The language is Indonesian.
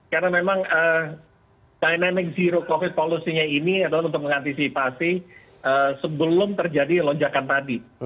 karena memang dynamic zero covid polusinya ini adalah untuk mengantisipasi sebelum terjadi lonjakan tadi